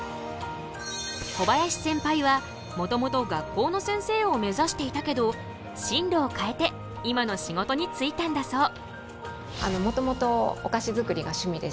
小林センパイはもともと学校の先生を目指していたけど進路を変えて今の仕事に就いたんだそう。